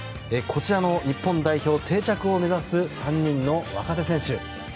こちらの日本代表定着を目指す３人の若手選手。